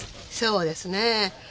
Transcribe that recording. そうですね。